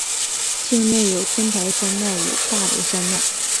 境内有天台山脉与大雷山脉。